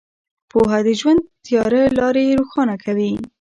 پوهه د ژوند تیاره لارې روښانه کوي.